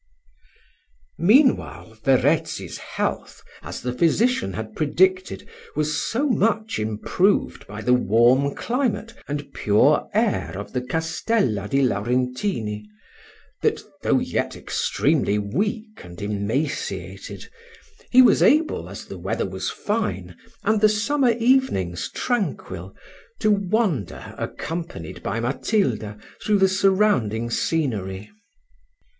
Meanwhile Verezzi's health, as the physician had predicted, was so much improved by the warm climate and pure air of the Castella di Laurentini, that, though yet extremely weak and emaciated, he was able, as the weather was fine, and the summer evenings tranquil, to wander, accompanied by Matilda, through the surrounding scenery.